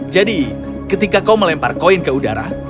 jadi ketika kau melempar koin ke udara